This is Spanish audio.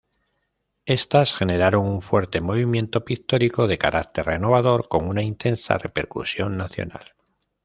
Estas generaron un fuerte movimiento pictórico de carácter renovador con una intensa repercusión nacional.